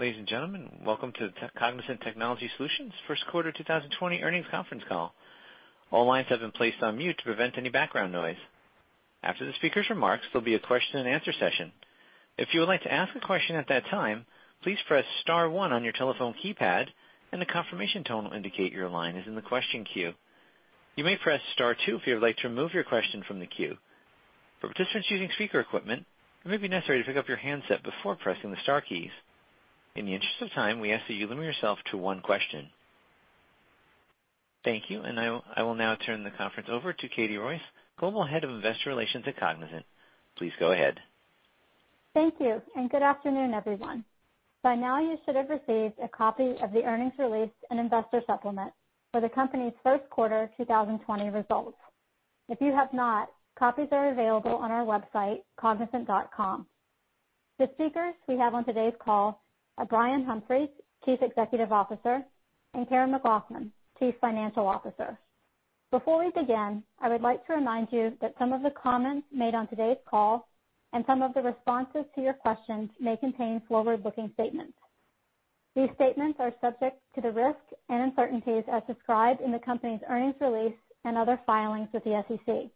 Ladies and gentlemen, welcome to the Cognizant Technology Solutions first quarter 2020 earnings conference call. All lines have been placed on mute to prevent any background noise. After the speaker's remarks, there will be a question and answer session. If you would like to ask a question at that time, please press star one on your telephone keypad, and a confirmation tone will indicate your line is in the question queue. You may press star two if you would like to remove your question from the queue. For participants using speaker equipment, it may be necessary to pick up your handset before pressing the star keys. In the interest of time, we ask that you limit yourself to one question. Thank you. I will now turn the conference over to Katie Royce, Global Head of Investor Relations at Cognizant. Please go ahead. Thank you, and good afternoon, everyone. By now, you should have received a copy of the earnings release and investor supplement for the company's first quarter 2020 results. If you have not, copies are available on our website, cognizant.com. The speakers we have on today's call are Brian Humphries, Chief Executive Officer, and Karen McLoughlin, Chief Financial Officer. Before we begin, I would like to remind you that some of the comments made on today's call and some of the responses to your questions may contain forward-looking statements. These statements are subject to the risks and uncertainties as described in the company's earnings release and other filings with the SEC.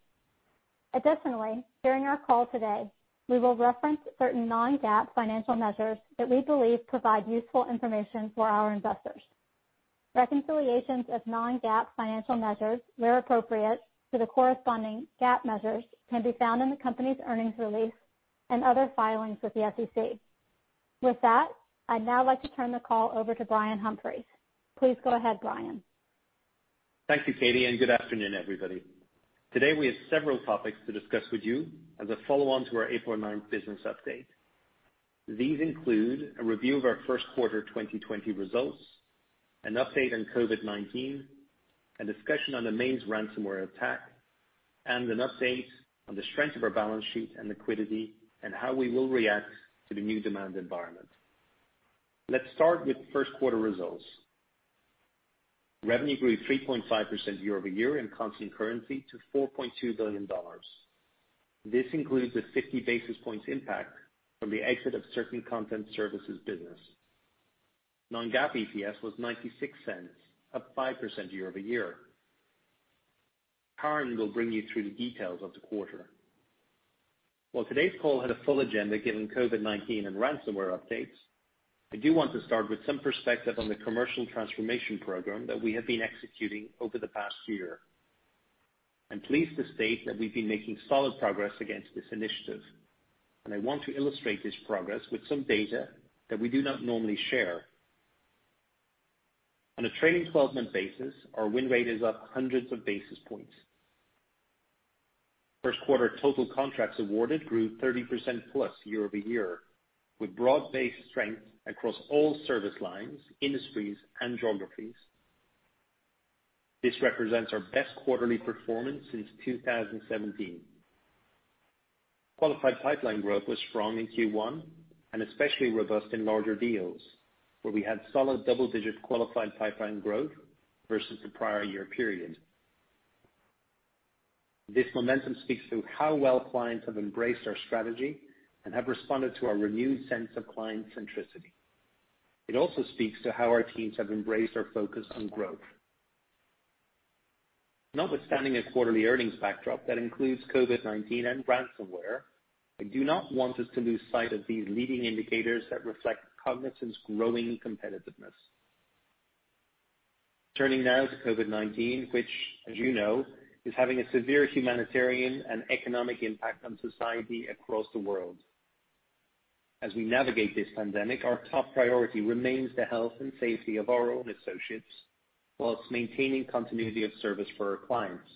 Additionally, during our call today, we will reference certain non-GAAP financial measures that we believe provide useful information for our investors. Reconciliations of non-GAAP financial measures, where appropriate, to the corresponding GAAP measures can be found in the company's earnings release and other filings with the SEC. With that, I'd now like to turn the call over to Brian Humphries. Please go ahead, Brian. Thank you, Katie, and good afternoon, everybody. Today, we have several topics to discuss with you as a follow-on to our April 9th business update. These include a review of our first quarter 2020 results, an update on COVID-19, a discussion on the Maze ransomware attack, and an update on the strength of our balance sheet and liquidity and how we will react to the new demand environment. Let's start with first quarter results. Revenue grew 3.5% year-over-year in constant currency to $4.2 billion. This includes a 50 basis points impact from the exit of certain content services business. Non-GAAP EPS was $0.96, up 5% year-over-year. Karen will bring you through the details of the quarter. While today's call had a full agenda, given COVID-19 and ransomware updates, I do want to start with some perspective on the commercial transformation program that we have been executing over the past year. I'm pleased to state that we've been making solid progress against this initiative, and I want to illustrate this progress with some data that we do not normally share. On a trailing 12-month basis, our win rate is up hundreds of basis points. First quarter total contracts awarded grew 30%+ year-over-year with broad-based strength across all service lines, industries, and geographies. This represents our best quarterly performance since 2017. Qualified pipeline growth was strong in Q1 and especially robust in larger deals, where we had solid double-digit qualified pipeline growth versus the prior year period. This momentum speaks to how well clients have embraced our strategy and have responded to our renewed sense of client centricity. It also speaks to how our teams have embraced our focus on growth. Notwithstanding a quarterly earnings backdrop that includes COVID-19 and ransomware, I do not want us to lose sight of these leading indicators that reflect Cognizant's growing competitiveness. Turning now to COVID-19, which, as you know, is having a severe humanitarian and economic impact on society across the world. As we navigate this pandemic, our top priority remains the health and safety of our own associates whilst maintaining continuity of service for our clients.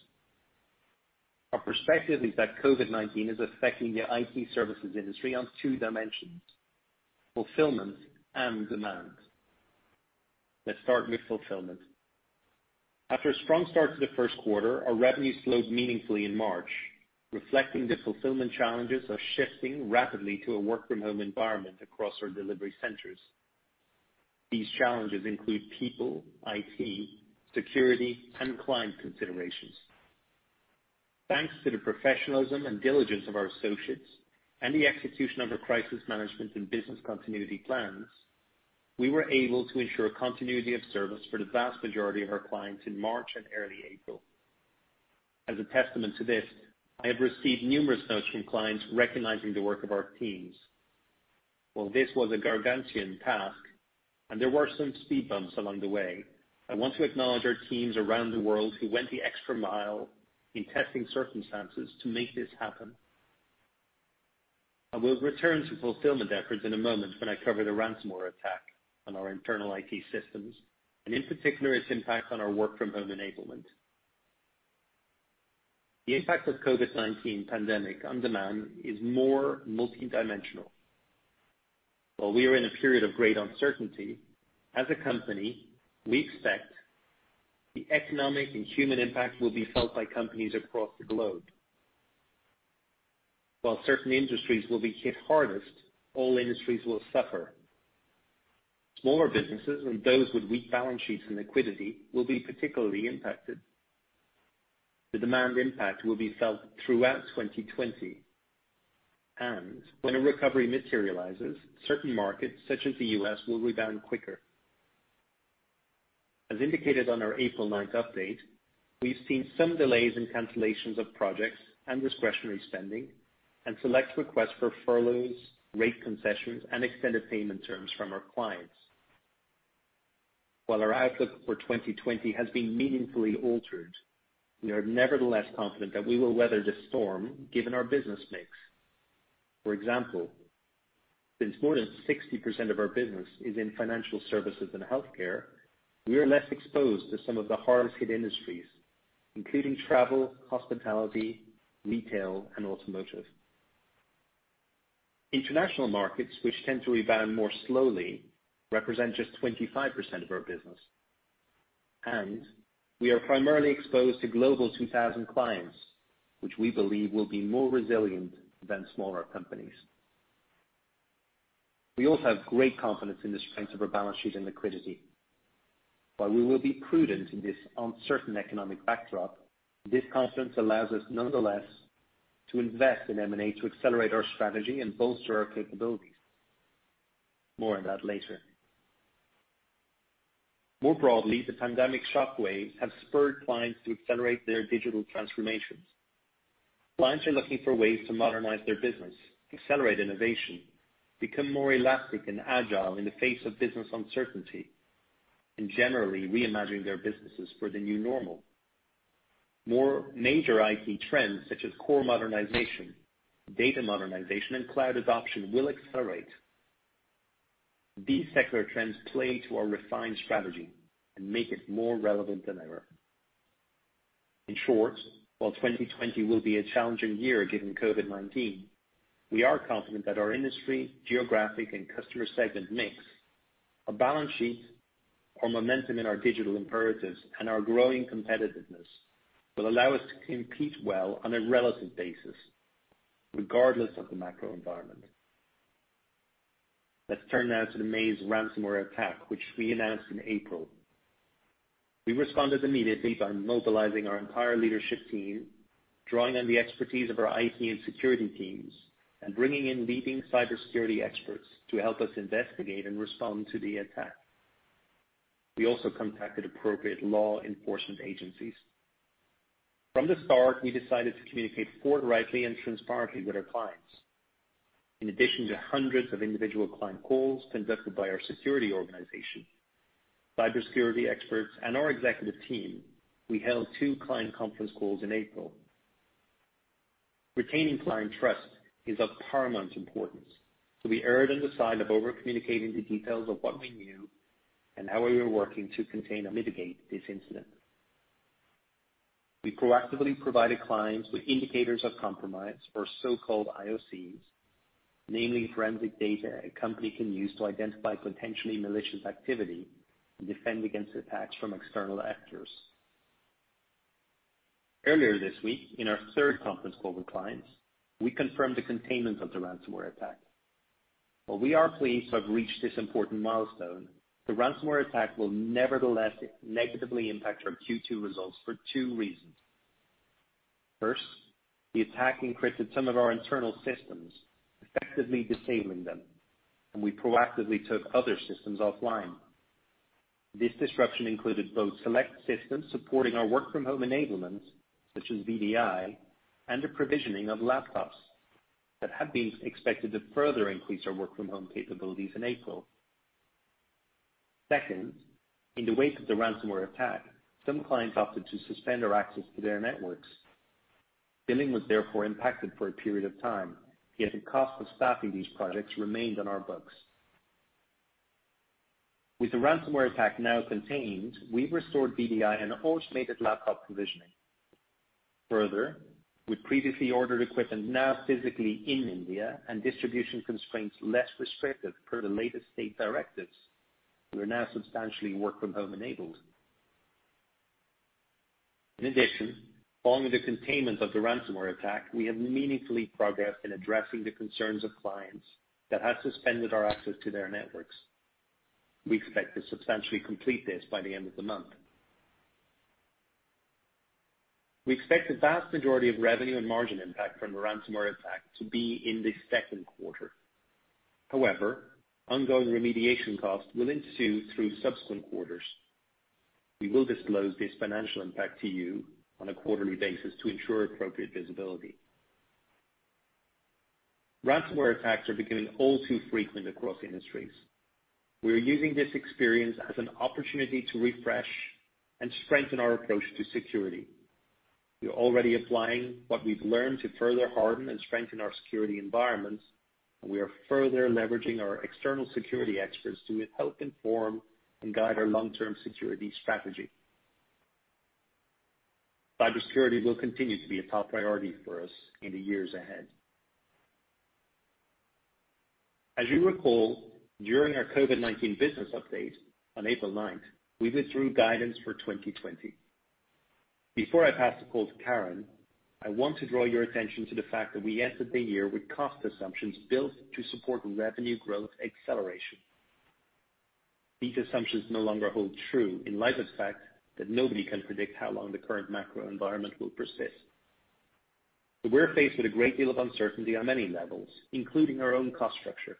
Our perspective is that COVID-19 is affecting the IT services industry on two dimensions, fulfillment and demand. Let's start with fulfillment. After a strong start to the first quarter, our revenue slowed meaningfully in March, reflecting the fulfillment challenges of shifting rapidly to a work-from-home environment across our delivery centers. These challenges include people, IT, security, and client considerations. Thanks to the professionalism and diligence of our associates and the execution of our crisis management and business continuity plans, we were able to ensure continuity of service for the vast majority of our clients in March and early April. As a testament to this, I have received numerous notes from clients recognizing the work of our teams. While this was a gargantuan task, and there were some speed bumps along the way, I want to acknowledge our teams around the world who went the extra mile in testing circumstances to make this happen. I will return to fulfillment efforts in a moment when I cover the ransomware attack on our internal IT systems, and in particular, its impact on our work-from-home enablement. The impact of COVID-19 pandemic on demand is more multidimensional. We are in a period of great uncertainty. As a company, we expect the economic and human impact will be felt by companies across the globe. Certain industries will be hit hardest, all industries will suffer. Smaller businesses and those with weak balance sheets and liquidity will be particularly impacted. The demand impact will be felt throughout 2020, and when a recovery materializes, certain markets such as the U.S. will rebound quicker. As indicated on our April 9th update, we've seen some delays in cancellations of projects and discretionary spending and select requests for furloughs, rate concessions, and extended payment terms from our clients. While our outlook for 2020 has been meaningfully altered, we are nevertheless confident that we will weather the storm given our business mix. For example, since more than 60% of our business is in financial services and healthcare, we are less exposed to some of the hardest hit industries, including travel, hospitality, retail, and automotive. International markets, which tend to rebound more slowly, represent just 25% of our business. We are primarily exposed to Global 2000 clients, which we believe will be more resilient than smaller companies. We also have great confidence in the strength of our balance sheet and liquidity. While we will be prudent in this uncertain economic backdrop, this confidence allows us nonetheless to invest in M&A to accelerate our strategy and bolster our capabilities. More on that later. More broadly, the pandemic shockwaves have spurred clients to accelerate their digital transformations. Clients are looking for ways to modernize their business, accelerate innovation, become more elastic and agile in the face of business uncertainty, and generally reimagine their businesses for the new normal. More major IT trends, such as core modernization, data modernization, and cloud adoption, will accelerate. These secular trends play to our refined strategy and make it more relevant than ever. In short, while 2020 will be a challenging year given COVID-19, we are confident that our industry, geographic, and customer segment mix, our balance sheet, our momentum in our digital imperatives, and our growing competitiveness, will allow us to compete well on a relative basis regardless of the macro environment. Let's turn now to the Maze ransomware attack, which we announced in April. We responded immediately by mobilizing our entire leadership team, drawing on the expertise of our IT and security teams, and bringing in leading cybersecurity experts to help us investigate and respond to the attack. We also contacted appropriate law enforcement agencies. From the start, we decided to communicate forthrightly and transparently with our clients. In addition to hundreds of individual client calls conducted by our security organization, cybersecurity experts, and our executive team, we held two client conference calls in April. Retaining client trust is of paramount importance. We erred on the side of over-communicating the details of what we knew and how we were working to contain or mitigate this incident. We proactively provided clients with indicators of compromise, or so-called IoCs, namely, forensic data a company can use to identify potentially malicious activity and defend against attacks from external actors. Earlier this week, in our third conference call with clients, we confirmed the containment of the ransomware attack. While we are pleased to have reached this important milestone, the ransomware attack will nevertheless negatively impact our Q2 results for two reasons. First, the attack encrypted some of our internal systems, effectively disabling them, and we proactively took other systems offline. This disruption included both select systems supporting our work-from-home enablement, such as VDI, and the provisioning of laptops that had been expected to further increase our work-from-home capabilities in April. Second, in the wake of the ransomware attack, some clients opted to suspend our access to their networks. Billing was therefore impacted for a period of time, yet the cost of staffing these projects remained on our books. With the ransomware attack now contained, we've restored VDI and automated laptop provisioning. Further, with previously ordered equipment now physically in India and distribution constraints less restrictive per the latest state directives, we are now substantially work-from-home enabled. In addition, following the containment of the ransomware attack, we have meaningfully progressed in addressing the concerns of clients that had suspended our access to their networks. We expect to substantially complete this by the end of the month. We expect the vast majority of revenue and margin impact from the ransomware attack to be in the second quarter. However, ongoing remediation costs will ensue through subsequent quarters. We will disclose this financial impact to you on a quarterly basis to ensure appropriate visibility. Ransomware attacks are becoming all too frequent across industries. We are using this experience as an opportunity to refresh and strengthen our approach to security. We are already applying what we've learned to further harden and strengthen our security environments, and we are further leveraging our external security experts to help inform and guide our long-term security strategy. Cybersecurity will continue to be a top priority for us in the years ahead. As you recall, during our COVID-19 business update on April 9th, we withdrew guidance for 2020. Before I pass the call to Karen, I want to draw your attention to the fact that we entered the year with cost assumptions built to support revenue growth acceleration. These assumptions no longer hold true in light of the fact that nobody can predict how long the current macro environment will persist. We're faced with a great deal of uncertainty on many levels, including our own cost structure.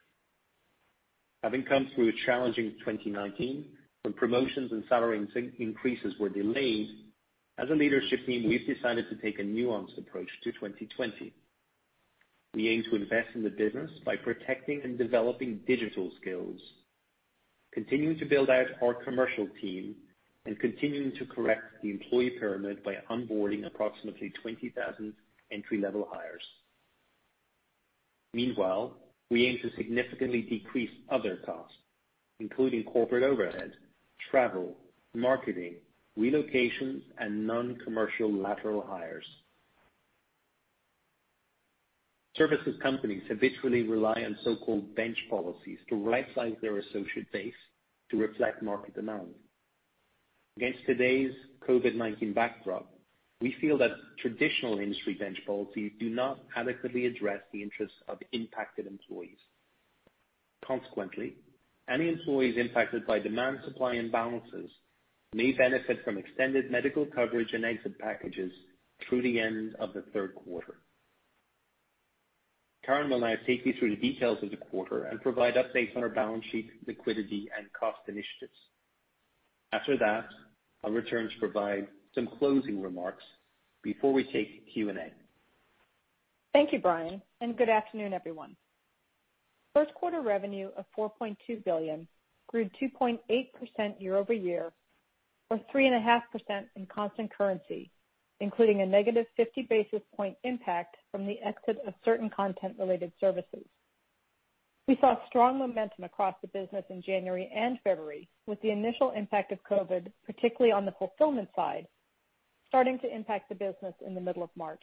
Having come through a challenging 2019 when promotions and salary increases were delayed, as a leadership team, we've decided to take a nuanced approach to 2020. We aim to invest in the business by protecting and developing digital skills, continuing to build out our commercial team, and continuing to correct the employee pyramid by onboarding approximately 20,000 entry-level hires. Meanwhile, we aim to significantly decrease other costs, including corporate overhead, travel, marketing, relocations, and non-commercial lateral hires. Services companies habitually rely on so-called bench policies to right-size their associate base to reflect market demand. Against today's COVID-19 backdrop, we feel that traditional industry bench policies do not adequately address the interests of impacted employees. Consequently, any employees impacted by demand-supply imbalances may benefit from extended medical coverage and exit packages through the end of the third quarter. Karen will now take you through the details of the quarter and provide updates on our balance sheet, liquidity, and cost initiatives. After that, I'll return to provide some closing remarks before we take Q&A. Thank you, Brian, and good afternoon, everyone. First quarter revenue of $4.2 billion grew 2.8% year-over-year or 3.5% in constant currency, including a -50 basis points impact from the exit of certain content-related services. We saw strong momentum across the business in January and February, with the initial impact of COVID, particularly on the fulfillment side, starting to impact the business in the middle of March.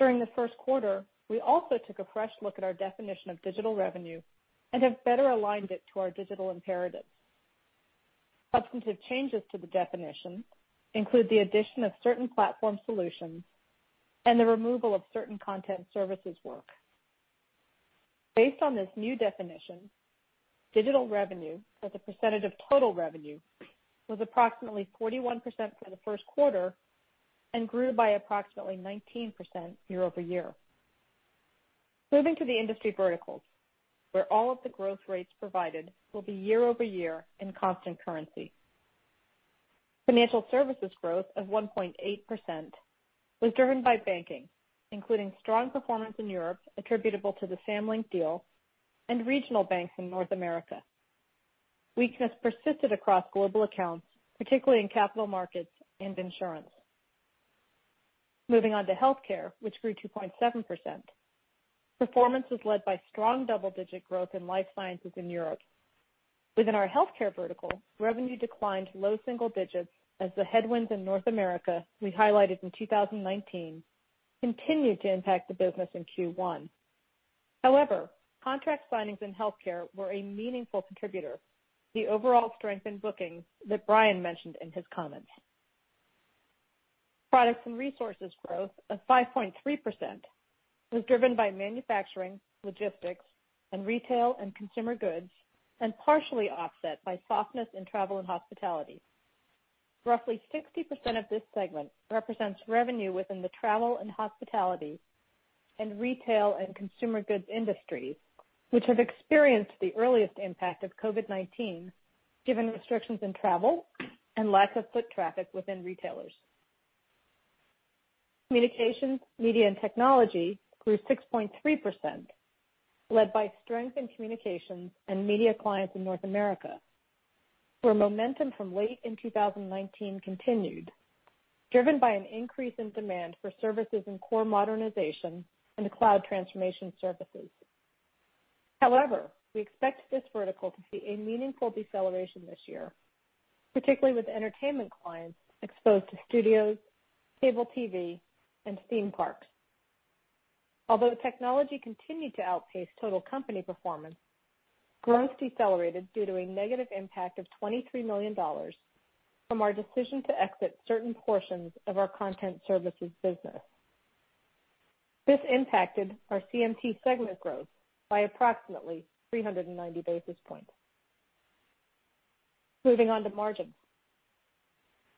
During the first quarter, we also took a fresh look at our definition of digital revenue and have better aligned it to our digital imperative. Substantive changes to the definition include the addition of certain platform solutions and the removal of certain content services work. Based on this new definition, digital revenue as a percentage of total revenue was approximately 41% for the first quarter and grew by approximately 19% year-over-year. Moving to the industry verticals, where all of the growth rates provided will be year-over-year in constant currency. Financial services growth of 1.8% was driven by banking, including strong performance in Europe attributable to the Samlink deal and regional banks in North America. Weakness persisted across global accounts, particularly in capital markets and insurance. Moving on to healthcare, which grew 2.7%. Performance was led by strong double-digit growth in life sciences in Europe. Within our healthcare vertical, revenue declined low single digits as the headwinds in North America we highlighted in 2019 continued to impact the business in Q1. However, contract signings in healthcare were a meaningful contributor to the overall strength in bookings that Brian mentioned in his comments. Products and resources growth of 5.3% was driven by manufacturing, logistics, and retail and consumer goods, and partially offset by softness in travel and hospitality. Roughly 60% of this segment represents revenue within the travel and hospitality and retail and consumer goods industries, which have experienced the earliest impact of COVID-19, given restrictions in travel and lack of foot traffic within retailers. Communications, Media, and Technology grew 6.3%, led by strength in communications and media clients in North America, where momentum from late in 2019 continued, driven by an increase in demand for services in core modernization and cloud transformation services. We expect this vertical to see a meaningful deceleration this year, particularly with entertainment clients exposed to studios, cable TV, and theme parks. Technology continued to outpace total company performance, growth decelerated due to a negative impact of $23 million from our decision to exit certain portions of our content services business. This impacted our CMT segment growth by approximately 390 basis points. Moving on to margin.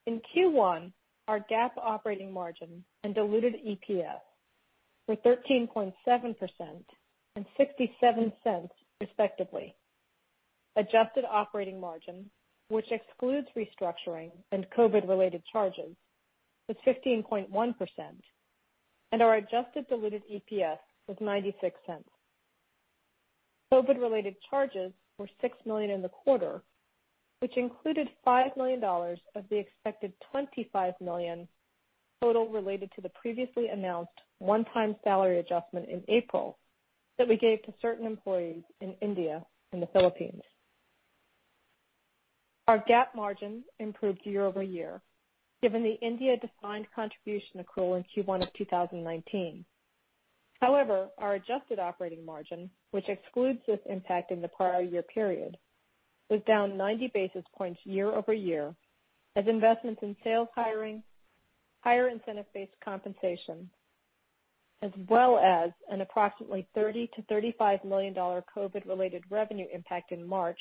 In Q1, our GAAP operating margin and diluted EPS were 13.7% and $0.67, respectively. Adjusted operating margin, which excludes restructuring and COVID-related charges, was 15.1%, and our adjusted diluted EPS was $0.96. COVID-related charges were $6 million in the quarter, which included $5 million of the expected $25 million total related to the previously announced one-time salary adjustment in April that we gave to certain employees in India and the Philippines. Our GAAP margin improved year-over-year, given the India defined contribution accrual in Q1 of 2019. However, our adjusted operating margin, which excludes this impact in the prior year period, was down 90 basis points year-over-year as investments in sales hiring, higher incentive-based compensation, as well as an approximately $30 million-$35 million COVID-related revenue impact in March,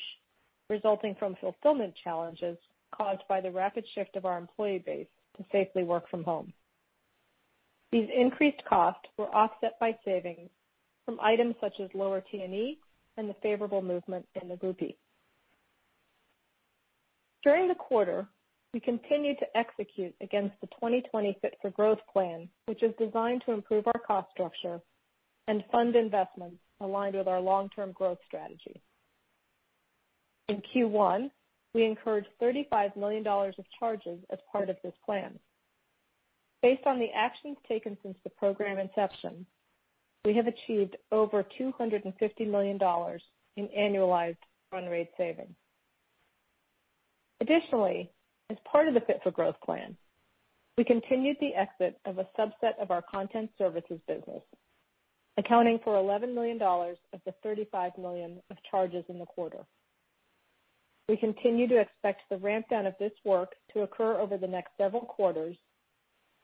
resulting from fulfillment challenges caused by the rapid shift of our employee base to safely work from home. These increased costs were offset by savings from items such as lower T&E and the favorable movement in the rupee. During the quarter, we continued to execute against the 2020 Fit for Growth plan, which is designed to improve our cost structure and fund investments aligned with our long-term growth strategy. In Q1, we incurred $35 million of charges as part of this plan. Based on the actions taken since the program inception, we have achieved over $250 million in annualized run rate savings. Additionally, as part of the Fit for Growth plan, we continued the exit of a subset of our content services business, accounting for $11 million of the $35 million of charges in the quarter. We continue to expect the ramp down of this work to occur over the next several quarters,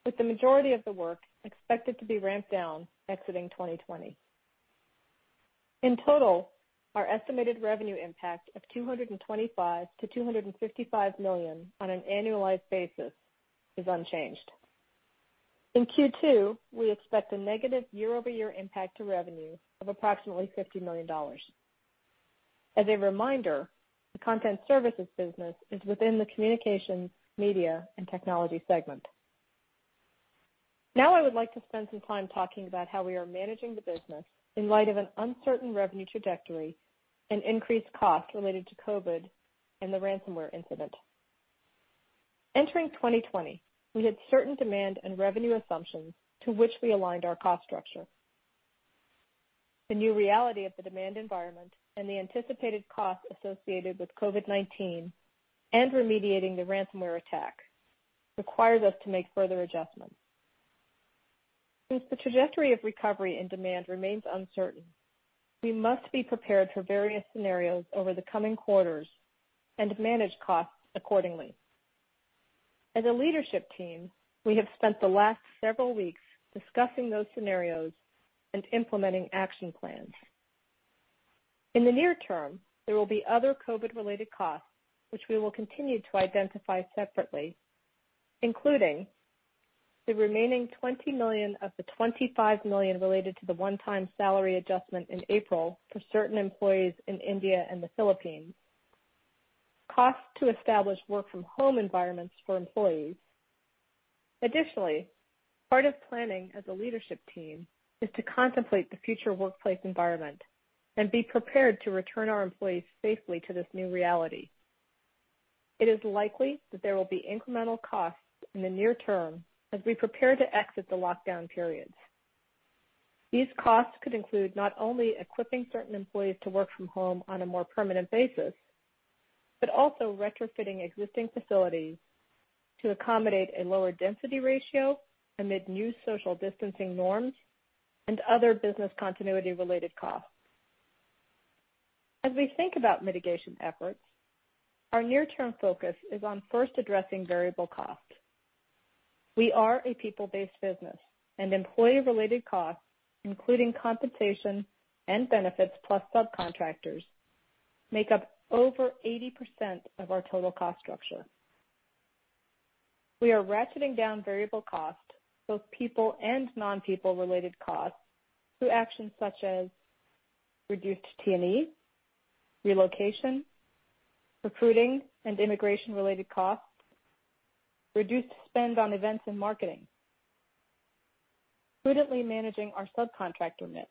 with the majority of the work expected to be ramped down exiting 2020. In total, our estimated revenue impact of $225 million-$255 million on an annualized basis is unchanged. In Q2, we expect a negative year-over-year impact to revenue of approximately $50 million. As a reminder, the content services business is within the communications, media, and technology segment. I would like to spend some time talking about how we are managing the business in light of an uncertain revenue trajectory and increased costs related to COVID-19 and the ransomware incident. Entering 2020, we had certain demand and revenue assumptions to which we aligned our cost structure. The new reality of the demand environment and the anticipated costs associated with COVID-19 and remediating the ransomware attack requires us to make further adjustments. Since the trajectory of recovery and demand remains uncertain, we must be prepared for various scenarios over the coming quarters and manage costs accordingly. As a leadership team, we have spent the last several weeks discussing those scenarios and implementing action plans. In the near term, there will be other COVID-related costs, which we will continue to identify separately, including the remaining $20 million of the $25 million related to the one-time salary adjustment in April for certain employees in India and the Philippines, costs to establish work-from-home environments for employees. Additionally, part of planning as a leadership team is to contemplate the future workplace environment and be prepared to return our employees safely to this new reality. It is likely that there will be incremental costs in the near term as we prepare to exit the lockdown periods. These costs could include not only equipping certain employees to work from home on a more permanent basis, but also retrofitting existing facilities to accommodate a lower density ratio amid new social distancing norms and other business continuity-related costs. As we think about mitigation efforts, our near-term focus is on first addressing variable costs. We are a people-based business, and employee-related costs, including compensation and benefits, plus subcontractors, make up over 80% of our total cost structure. We are ratcheting down variable costs, both people and non-people related costs, through actions such as reduced T&E, relocation, recruiting, and immigration-related costs, reduced spend on events and marketing, prudently managing our subcontractor mix,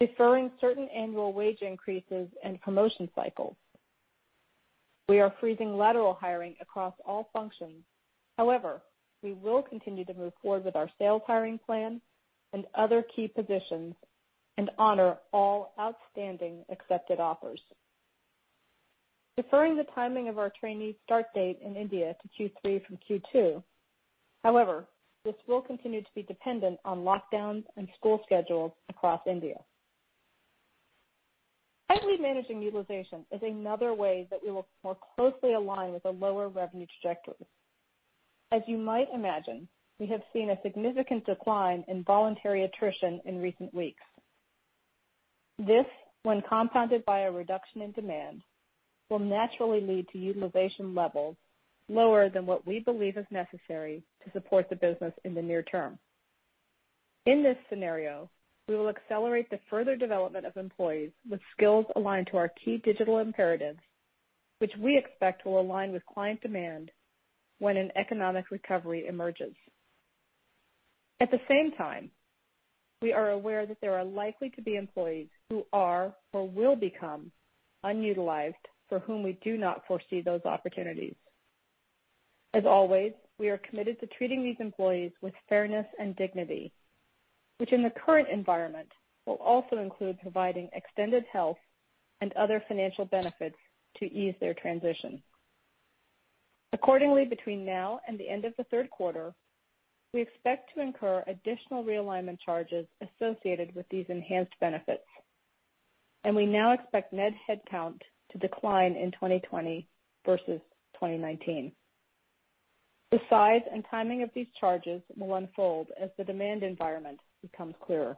deferring certain annual wage increases and promotion cycles. We are freezing lateral hiring across all functions. However, we will continue to move forward with our sales hiring plan and other key positions and honor all outstanding accepted offers. We are deferring the timing of our trainees' start date in India to Q3 from Q2. However, this will continue to be dependent on lockdowns and school schedules across India. Active managing utilization is another way that we will more closely align with a lower revenue trajectory. As you might imagine, we have seen a significant decline in voluntary attrition in recent weeks. This, when compounded by a reduction in demand, will naturally lead to utilization levels lower than what we believe is necessary to support the business in the near term. In this scenario, we will accelerate the further development of employees with skills aligned to our key digital imperatives, which we expect will align with client demand when an economic recovery emerges. At the same time, we are aware that there are likely to be employees who are or will become unutilized for whom we do not foresee those opportunities. As always, we are committed to treating these employees with fairness and dignity, which in the current environment will also include providing extended health and other financial benefits to ease their transition. Accordingly, between now and the end of the third quarter, we expect to incur additional realignment charges associated with these enhanced benefits. We now expect net headcount to decline in 2020 versus 2019. The size and timing of these charges will unfold as the demand environment becomes clearer.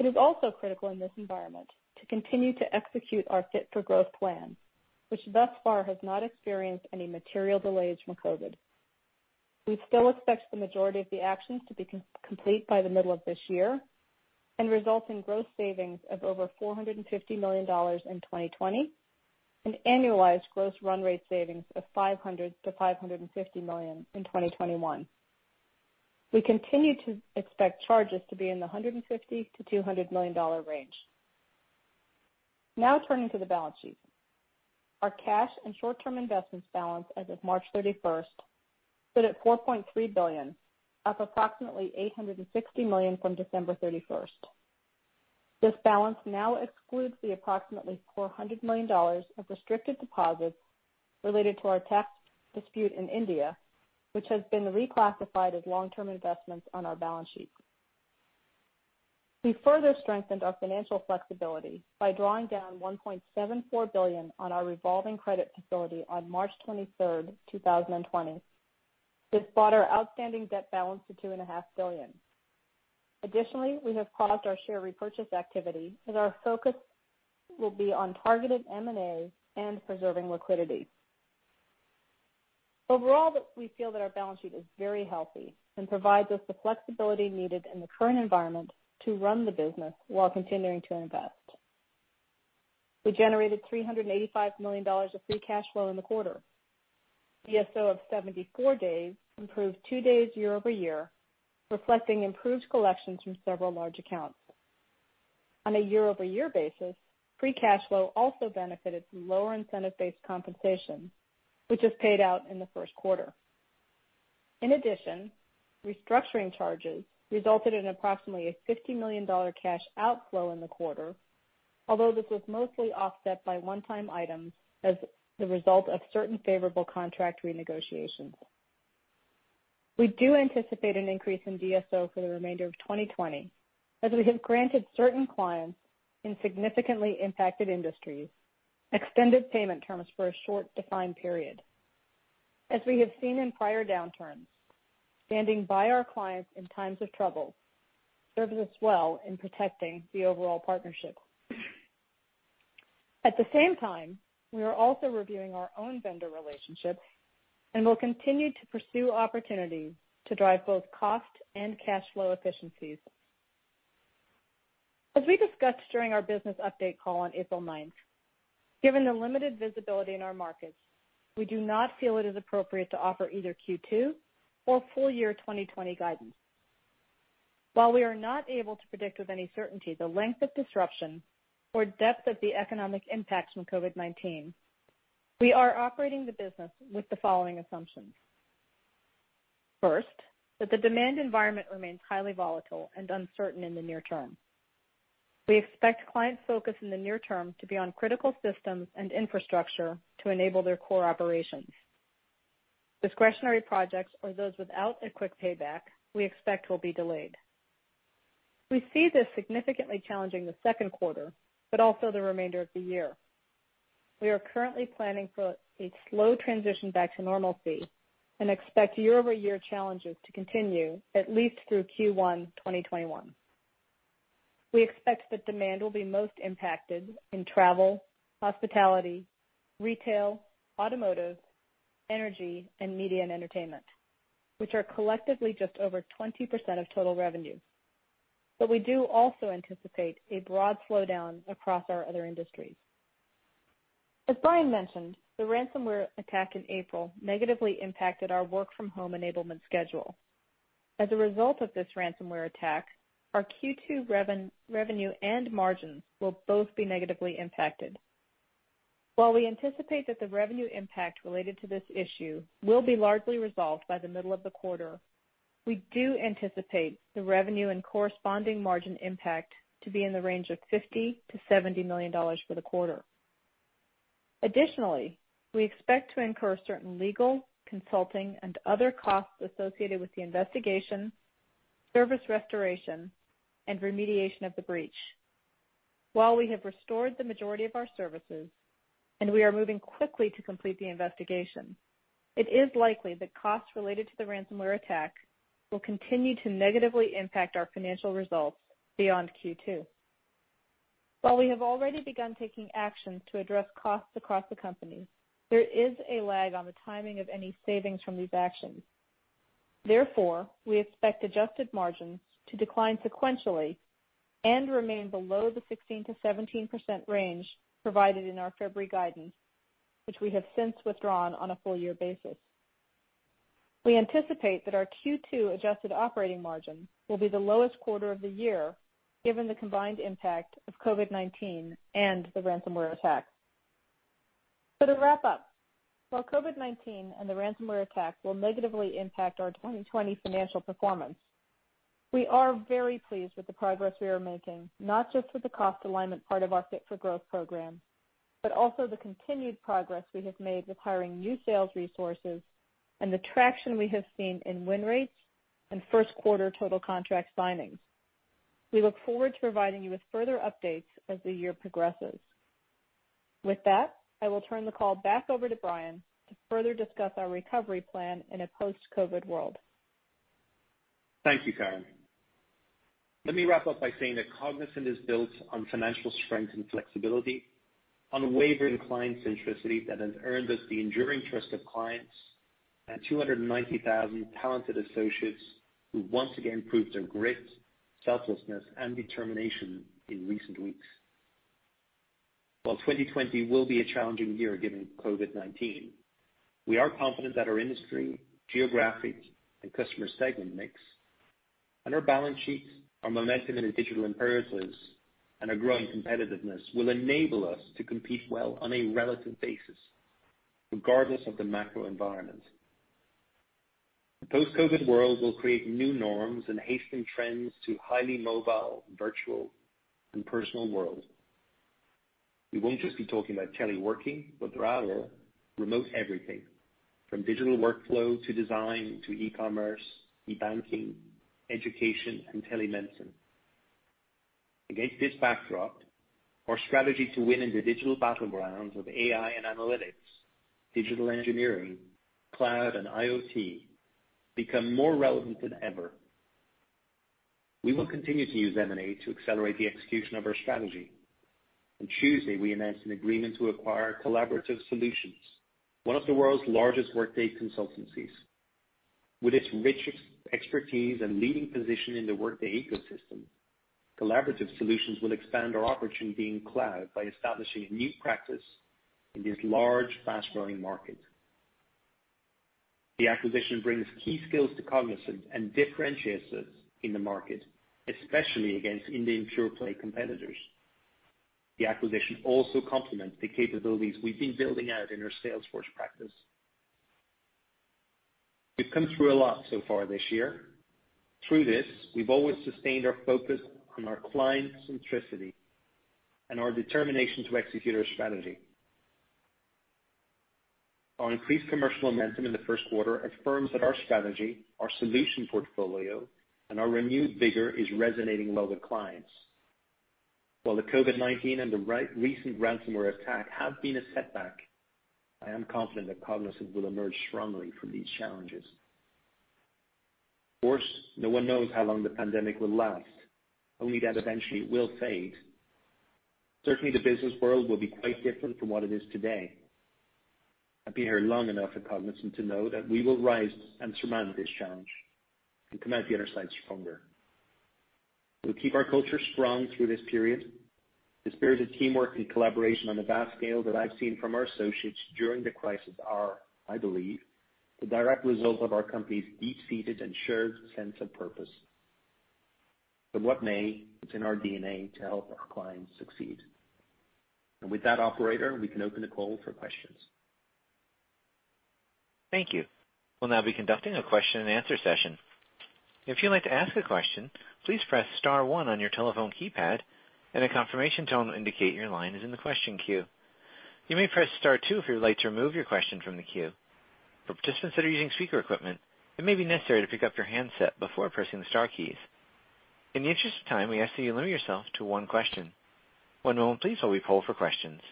It is also critical in this environment to continue to execute our Fit for Growth Plan, which, thus far, has not experienced any material delays from COVID-19. We still expect the majority of the actions to be complete by the middle of this year and result in gross savings of over $450 million in 2020, and annualized gross run rate savings of $500 million to $550 million in 2021. We continue to expect charges to be in the $150 million-$200 million range. Turning to the balance sheet. Our cash and short-term investments balance as of March 31st stood at $4.3 billion, up approximately $860 million from December 31st. This balance now excludes the approximately $400 million of restricted deposits related to our tax dispute in India, which has been reclassified as long-term investments on our balance sheet. We further strengthened our financial flexibility by drawing down $1.74 billion on our revolving credit facility on March 23rd, 2020. This brought our outstanding debt balance to $2.5 billion. Additionally, we have paused our share repurchase activity, as our focus will be on targeted M&A and preserving liquidity. Overall, we feel that our balance sheet is very healthy and provides us the flexibility needed in the current environment to run the business while continuing to invest. We generated $385 million of free cash flow in the quarter. DSO of 74 days improved two days year-over-year, reflecting improved collections from several large accounts. On a year-over-year basis, free cash flow also benefited from lower incentive-based compensation, which is paid out in the first quarter. In addition, restructuring charges resulted in approximately a $50 million cash outflow in the quarter, although this was mostly offset by one-time items as the result of certain favorable contract renegotiations. We do anticipate an increase in DSO for the remainder of 2020, as we have granted certain clients in significantly impacted industries extended payment terms for a short, defined period. As we have seen in prior downturns, standing by our clients in times of trouble serves us well in protecting the overall partnership. At the same time, we are also reviewing our own vendor relationships and will continue to pursue opportunities to drive both cost and cash flow efficiencies. As we discussed during our business update call on April 9th, given the limited visibility in our markets, we do not feel it is appropriate to offer either Q2 or full-year 2020 guidance. While we are not able to predict with any certainty the length of disruption or depth of the economic impact from COVID-19, we are operating the business with the following assumptions. First, that the demand environment remains highly volatile and uncertain in the near term. We expect clients' focus in the near term to be on critical systems and infrastructure to enable their core operations. Discretionary projects or those without a quick payback, we expect will be delayed. We see this significantly challenging the second quarter, but also the remainder of the year. We are currently planning for a slow transition back to normalcy and expect year-over-year challenges to continue at least through Q1 2021. We expect that demand will be most impacted in travel, hospitality, retail, automotive, energy, and media and entertainment, which are collectively just over 20% of total revenue. We do also anticipate a broad slowdown across our other industries. As Brian mentioned, the ransomware attack in April negatively impacted our work-from-home enablement schedule. As a result of this ransomware attack, our Q2 revenue and margins will both be negatively impacted. While we anticipate that the revenue impact related to this issue will be largely resolved by the middle of the quarter, we do anticipate the revenue and corresponding margin impact to be in the range of $50 million-$70 million for the quarter. Additionally, we expect to incur certain legal, consulting, and other costs associated with the investigation, service restoration, and remediation of the breach. While we have restored the majority of our services and we are moving quickly to complete the investigation, it is likely that costs related to the ransomware attack will continue to negatively impact our financial results beyond Q2. While we have already begun taking actions to address costs across the company, there is a lag on the timing of any savings from these actions. Therefore, we expect adjusted margins to decline sequentially and remain below the 16%-17% range provided in our February guidance, which we have since withdrawn on a full year basis. We anticipate that our Q2 adjusted operating margin will be the lowest quarter of the year, given the combined impact of COVID-19 and the ransomware attack. To wrap up, while COVID-19 and the ransomware attack will negatively impact our 2020 financial performance, we are very pleased with the progress we are making, not just with the cost alignment part of our Fit for Growth program, but also the continued progress we have made with hiring new sales resources and the traction we have seen in win rates and first-quarter total contract signings. We look forward to providing you with further updates as the year progresses. With that, I will turn the call back over to Brian to further discuss our recovery plan in a post-COVID world. Thank you, Karen. Let me wrap up by saying that Cognizant is built on financial strength and flexibility, unwavering client centricity that has earned us the enduring trust of clients, and 290,000 talented associates who once again proved their grit, selflessness, and determination in recent weeks. While 2020 will be a challenging year given COVID-19, we are confident that our industry, geographic, and customer segment mix, and our balance sheets, our momentum in digital imperatives, and our growing competitiveness will enable us to compete well on a relative basis, regardless of the macro environment. The post-COVID world will create new norms and hasten trends to highly mobile, virtual, and personal worlds. We won't just be talking about teleworking, but rather remote everything from digital workflow to design to e-commerce, e-banking, education, and telemedicine. Against this backdrop, our strategy to win in the digital battlegrounds of AI and analytics, digital engineering, cloud, and IoT become more relevant than ever. We will continue to use M&A to accelerate the execution of our strategy. On Tuesday, we announced an agreement to acquire Collaborative Solutions, one of the world's largest Workday consultancies. With its rich expertise and leading position in the Workday ecosystem, Collaborative Solutions will expand our opportunity in cloud by establishing a new practice in this large, fast-growing market. The acquisition brings key skills to Cognizant and differentiates us in the market, especially against Indian pure-play competitors. The acquisition also complements the capabilities we've been building out in our Salesforce practice. We've come through a lot so far this year. Through this, we've always sustained our focus on our client centricity and our determination to execute our strategy. Our increased commercial momentum in the first quarter affirms that our strategy, our solution portfolio, and our renewed vigor is resonating well with clients. While the COVID-19 and the recent ransomware attack have been a setback. I am confident that Cognizant will emerge strongly from these challenges. No one knows how long the pandemic will last, only that eventually it will fade. The business world will be quite different from what it is today. I've been here long enough at Cognizant to know that we will rise and surmount this challenge and come out the other side stronger. We'll keep our culture strong through this period. The spirit of teamwork and collaboration on a vast scale that I've seen from our associates during the crisis are, I believe, the direct result of our company's deep-seated and shared sense of purpose. It's in our DNA to help our clients succeed. With that, operator, we can open the call for questions. Thank you. We'll now be conducting a question-and-answer session. If you'd like to ask a question, please press star one on your telephone keypad, and a confirmation tone will indicate your line is in the question queue. You may press star two if you would like to remove your question from the queue. For participants that are using speaker equipment, it may be necessary to pick up your handset before pressing the star keys. In the interest of time, we ask that you limit yourself to one question. One moment, please while we poll for questions.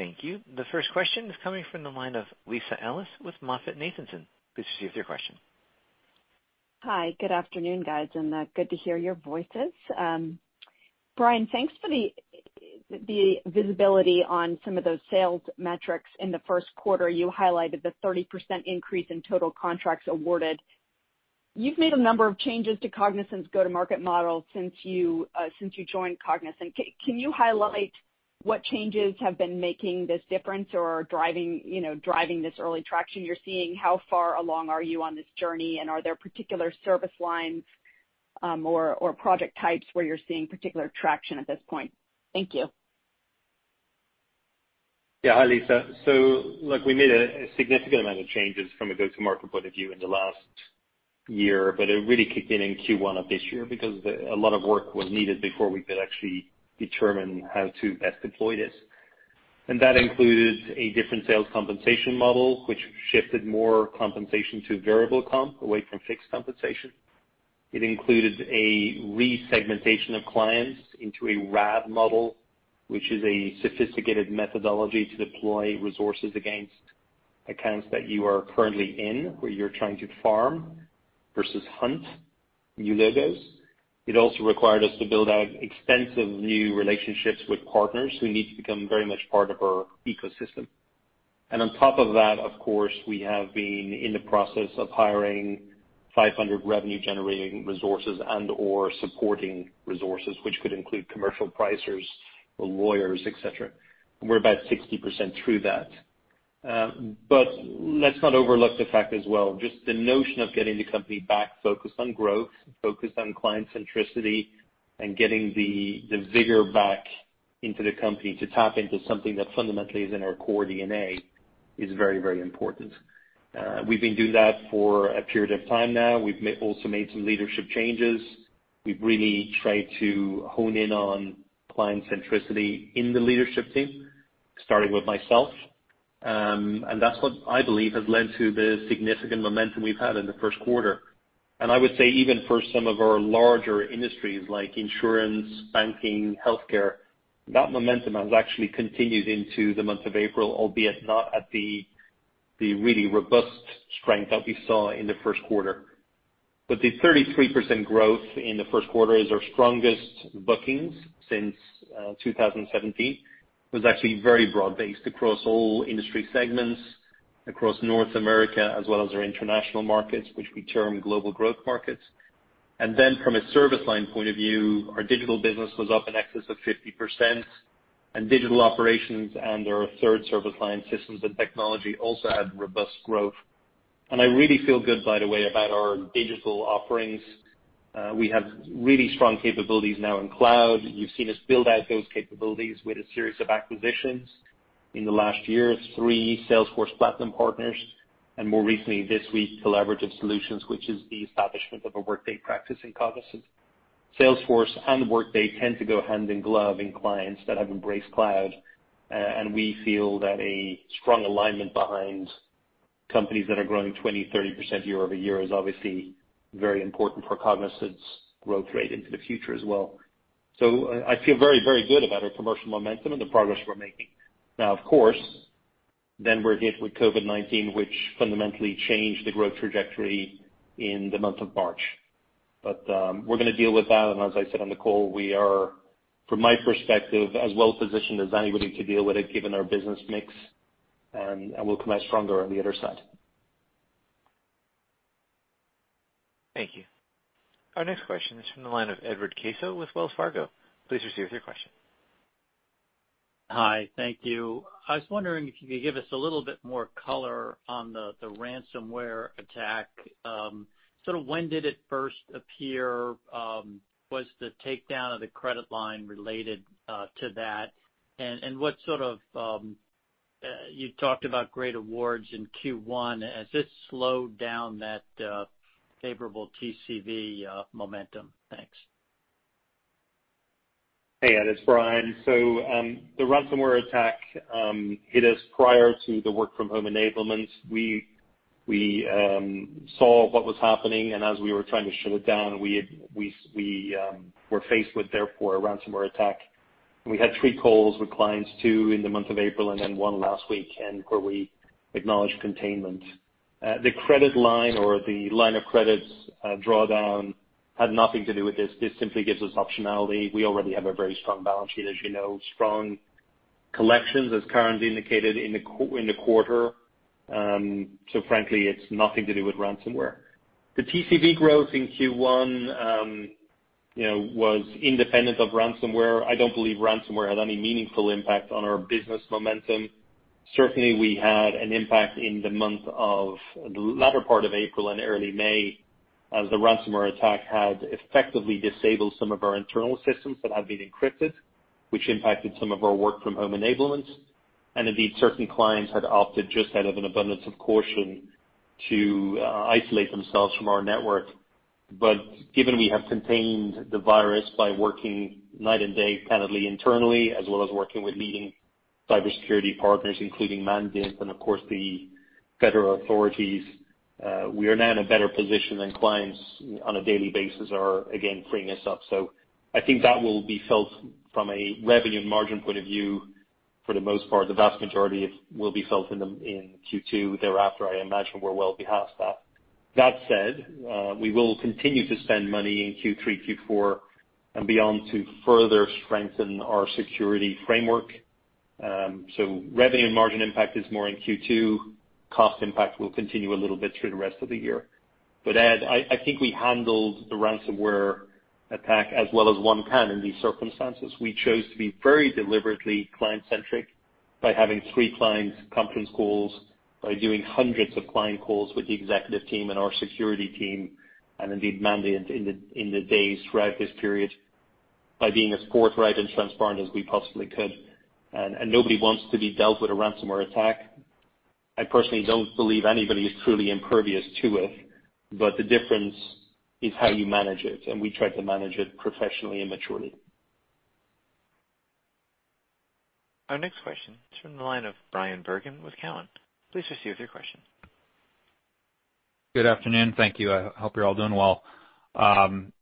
Thank you. The first question is coming from the line of Lisa Ellis with MoffettNathanson. Please proceed with your question. Hi, good afternoon, guys, and good to hear your voices. Brian, thanks for the visibility on some of those sales metrics in the first quarter. You highlighted the 30% increase in total contracts awarded. You've made a number of changes to Cognizant's go-to-market model since you joined Cognizant. Can you highlight what changes have been making this difference or driving this early traction you're seeing? How far along are you on this journey, and are there particular service lines or project types where you're seeing particular traction at this point? Thank you. Hi, Lisa. Look, we made a significant amount of changes from a go-to-market point of view in the last year, but it really kicked in in Q1 of this year because a lot of work was needed before we could actually determine how to best deploy this. That included a different sales compensation model, which shifted more compensation to variable comp away from fixed compensation. It included a resegmentation of clients into a RAD model, which is a sophisticated methodology to deploy resources against accounts that you are currently in, where you're trying to farm versus hunt new logos. It also required us to build out extensive new relationships with partners who need to become very much part of our ecosystem. On top of that, of course, we have been in the process of hiring 500 revenue-generating resources and/or supporting resources, which could include commercial pricers or lawyers, et cetera. We're about 60% through that. Let's not overlook the fact as well, just the notion of getting the company back focused on growth, focused on client centricity, and getting the vigor back into the company to tap into something that fundamentally is in our core DNA is very, very important. We've been doing that for a period of time now. We've also made some leadership changes. We've really tried to hone in on client centricity in the leadership team, starting with myself. That's what I believe has led to the significant momentum we've had in the first quarter. Even for some of our larger industries like insurance, banking, healthcare, that momentum has actually continued into the month of April, albeit not at the really robust strength that we saw in the first quarter. The 33% growth in the first quarter is our strongest bookings since 2017. It was actually very broad-based across all industry segments, across North America, as well as our international markets, which we term global growth markets. From a service line point of view, our digital business was up in excess of 50%, and digital operations and our third service line systems and technology also had robust growth. I really feel good, by the way, about our digital offerings. We have really strong capabilities now in cloud. You've seen us build out those capabilities with a series of acquisitions. In the last year, three Salesforce Platinum partners, and more recently this week, Collaborative Solutions, which is the establishment of a Workday practice in Cognizant. Salesforce and Workday tend to go hand in glove in clients that have embraced cloud. We feel that a strong alignment behind companies that are growing 20%-30% year-over-year is obviously very important for Cognizant's growth rate into the future as well. I feel very, very good about our commercial momentum and the progress we're making. Now, of course, then we're hit with COVID-19, which fundamentally changed the growth trajectory in the month of March. We're going to deal with that, and as I said on the call, we are, from my perspective, as well-positioned as anybody to deal with it given our business mix, and we'll come out stronger on the other side. Thank you. Our next question is from the line of Edward Caso with Wells Fargo. Please proceed with your question. Hi, thank you. I was wondering if you could give us a little bit more color on the ransomware attack. When did it first appear? Was the takedown of the credit line related to that? You talked about great awards in Q1. Has this slowed down that favorable TCV momentum? Thanks. Hey, Ed, it's Brian. The ransomware attack hit us prior to the work-from-home enablement. We saw what was happening, and as we were trying to shut it down, we were faced with, therefore, a ransomware attack. We had three calls with clients, two in the month of April, and then one last week, where we acknowledged containment. The credit line or the line of credit drawdown had nothing to do with this. This simply gives us optionality. We already have a very strong balance sheet, as you know, strong collections as currently indicated in the quarter. Frankly, it's nothing to do with ransomware. The TCV growth in Q1 was independent of ransomware. I don't believe ransomware had any meaningful impact on our business momentum. Certainly, we had an impact in the latter part of April and early May as the ransomware attack had effectively disabled some of our internal systems that had been encrypted, which impacted some of our work-from-home enablement. Indeed, certain clients had opted just out of an abundance of caution to isolate themselves from our network. Given we have contained the virus by working night and day, candidly, internally, as well as working with leading cybersecurity partners, including Mandiant and, of course, the federal authorities, we are now in a better position than clients on a daily basis are again freeing us up. I think that will be felt from a revenue margin point of view for the most part. The vast majority will be felt in Q2. Thereafter, I imagine we're well past that. That said, we will continue to spend money in Q3, Q4 and beyond to further strengthen our security framework. Revenue and margin impact is more in Q2. Cost impact will continue a little bit through the rest of the year. Ed, I think we handled the ransomware attack as well as one can in these circumstances. We chose to be very deliberately client-centric by having three client conference calls, by doing hundreds of client calls with the executive team and our security team, and indeed Mandiant in the days throughout this period by being as forthright and transparent as we possibly could. Nobody wants to be dealt with a ransomware attack. I personally don't believe anybody is truly impervious to it, but the difference is how you manage it, and we tried to manage it professionally and maturely. Our next question is from the line of Bryan Bergin with Cowen. Please proceed with your question. Good afternoon. Thank you. I hope you're all doing well.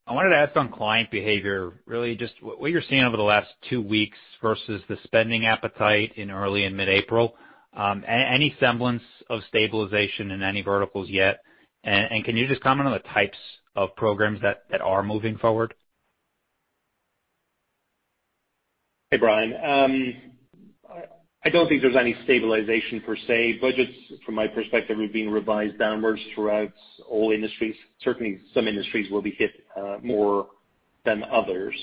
I wanted to ask on client behavior, really just what you're seeing over the last two weeks versus the spending appetite in early and mid-April. Any semblance of stabilization in any verticals yet? Can you just comment on the types of programs that are moving forward? Hey, Bryan. I don't think there's any stabilization per se. Budgets, from my perspective, are being revised downwards throughout all industries. Certainly, some industries will be hit more than others.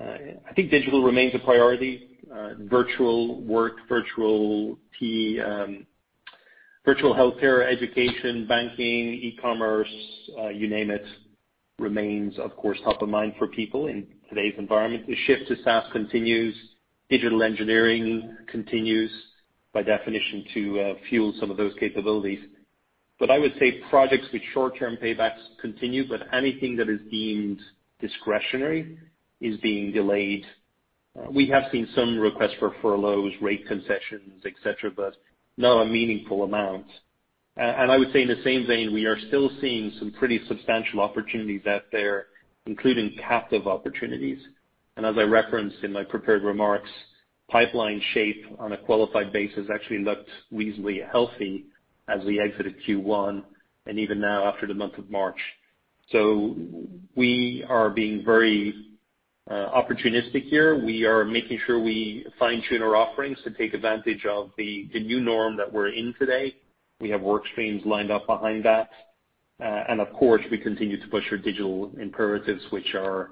I think digital remains a priority. Virtual work, virtual healthcare, education, banking, e-commerce, you name it, remains, of course, top of mind for people in today's environment. The shift to SaaS continues. Digital engineering continues by definition to fuel some of those capabilities. I would say projects with short-term paybacks continue, but anything that is deemed discretionary is being delayed. We have seen some requests for furloughs, rate concessions, et cetera, but not a meaningful amount. I would say in the same vein, we are still seeing some pretty substantial opportunities out there, including captive opportunities. As I referenced in my prepared remarks, pipeline shape on a qualified basis actually looked reasonably healthy as we exited Q1 and even now after the month of March. We are being very opportunistic here. We are making sure we fine-tune our offerings to take advantage of the new norm that we're in today. We have work streams lined up behind that. Of course, we continue to push our digital imperatives, which are,